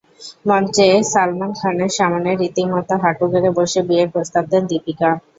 মঞ্চে সালমান খানের সামনে রীতিমতো হাঁটু গেড়ে বসে বিয়ের প্রস্তাব দেন দীপিকা।